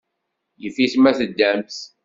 Yif-it ma teddamt.